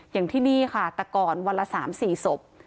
อย่างที่นี่ค่ะแต่ก่อนวันละ๓๔ศพ